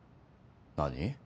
何？